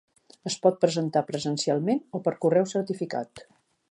Es pot presentar presencialment o per correu certificat.